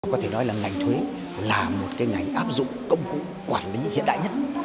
có thể nói là ngành thuế là một cái ngành áp dụng công cụ quản lý hiện đại nhất